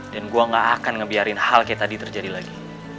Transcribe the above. gue gak akan ngebiarin hal kayak tadi terjadi lagi